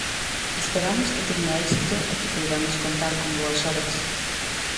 Esperamos que teña éxito e que poidamos contar con boas obras.